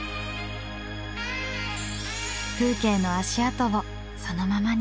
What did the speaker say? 風景の足跡をそのままに。